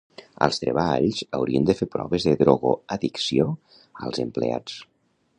Als treballs haurien de fer proves de drogoaddicció als empleats